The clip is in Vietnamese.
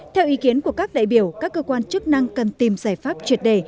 theo ý kiến của các đại biểu các cơ quan chức năng cần tìm giải pháp triệt đề